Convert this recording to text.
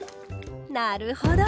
なるほど！